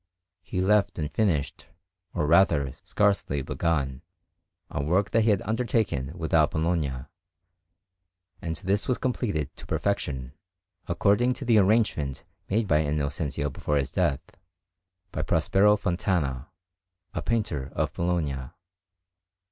He left unfinished, or rather, scarcely begun, a work that he had undertaken without Bologna, and this was completed to perfection, according to the arrangement made by Innocenzio before his death, by Prospero Fontana, a painter of Bologna.